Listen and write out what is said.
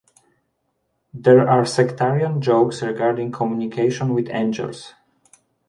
There are sectarian jokes regarding communication with angels.